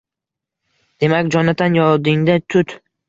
Demak, Jonatan, yodingda tut: